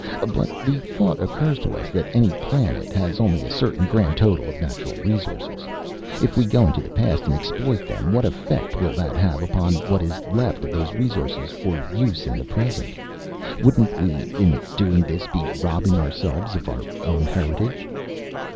But the thought occurs that any planet has only a certain grand total of natural resources. If we go into the past and exploit them, what effect will that have upon what is left of those resources for use in the present? Wouldn't we, in doing this, be robbing ourselves of our own heritage?"